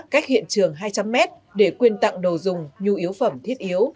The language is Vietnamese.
cách hiện trường hai trăm linh m để quyên tặng đồ dùng nhu yếu phẩm thiết yếu